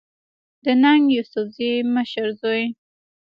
د ننګ يوسفزۍ مشر زوی